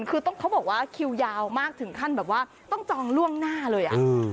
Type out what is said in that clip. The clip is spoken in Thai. คือเขาบอกว่าคิวยาวมากถึงขั้นแบบว่าต้องจองล่วงหน้าเลย